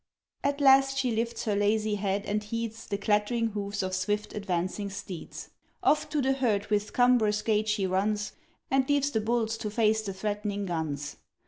At last she lifts her lazy head and heeds The clattering hoofs of swift advancing steeds. Off to the herd with cumb'rous gait she runs And leaves the bulls to face the threatening guns.